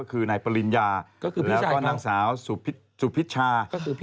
คือนายปริญญาและนางสาวศุภิษชา